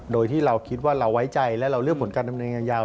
โดยที่เราคิดว่าเราไว้ใจและเราเลือกผลการดำเนินยาว